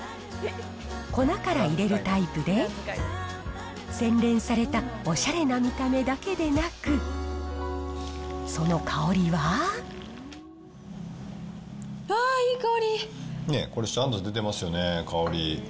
粉から入れるタイプで、洗練されたおしゃれな見た目だけでなく、その香りは。ね、これちゃんと出てますよね、香り。